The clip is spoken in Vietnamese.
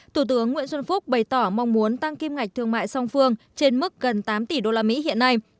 thủ tướng nguyễn xuân phúc bày tỏ mong muốn tăng kim ngạch thương mại song phương trên mức gần tám tỷ usd hiện nay